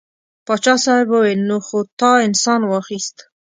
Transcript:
پاچا صاحب وویل نو خو تا انسان واخیست.